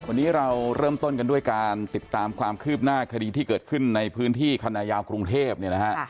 วันนี้เราเริ่มต้นกันด้วยการติดตามความคืบหน้าคดีที่เกิดขึ้นในพื้นที่คณะยาวกรุงเทพเนี่ยนะฮะ